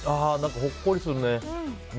ほっこりするね！